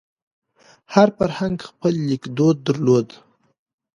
هر فرهنګ خپل لیکدود درلود.